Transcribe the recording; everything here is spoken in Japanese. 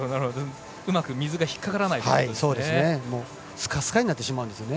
うまく水が引っかからないということですね。